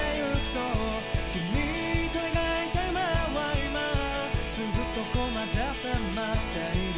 「君と描いた夢は今すぐそこまで迫っている」